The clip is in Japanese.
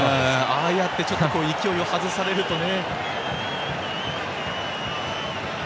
ああやって勢いを外されるとね。